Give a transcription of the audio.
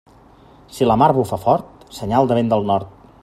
Si la mar bufa fort, senyal de vent del nord.